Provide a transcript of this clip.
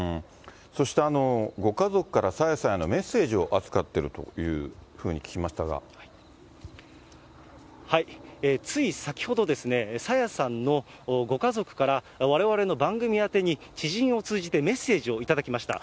そしてご家族から朝芽さんへのメッセージを預かっているといつい先ほど、朝芽さんのご家族から、われわれの番組宛てに、知人を通じてメッセージを頂きました。